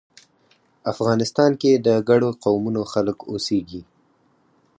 افغانستان کې د ګڼو قومونو خلک اوسیږی